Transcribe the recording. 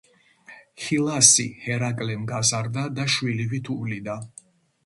ჰილასი ჰერაკლემ გაზარდა და შვილივით უვლიდა.